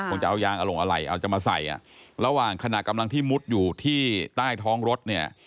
คงจะเอายางอลงอะไรเอาจะมาใส่อ่ะระหว่างขณะกำลังที่มุดอยู่ที่ใต้ท้องรถเนี่ย